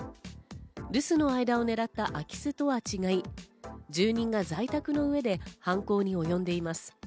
留守の間を狙った空き巣とは違い、住人が在宅の上で犯行におよんでいます。